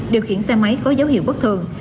điều khiển xe máy có dấu hiệu bất thường